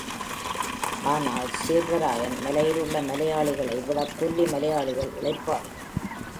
ஆனால் சேர்வராயன் மலையிலுள்ள மலையாளிகளை விடக் கொல்லி மலையாளிகள் உழைப்பாளிகள்.